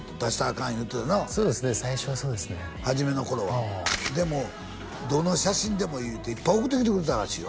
かん言うてたなそうですね最初はそうですね初めの頃はでもどの写真でもいいいうていっぱい送ってきてくれたらしいよ